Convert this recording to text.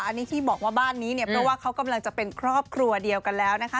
อันนี้ที่บอกว่าบ้านนี้เนี่ยเพราะว่าเขากำลังจะเป็นครอบครัวเดียวกันแล้วนะคะ